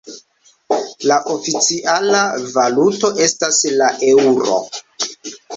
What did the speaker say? La oficiala valuto estas la Eŭro.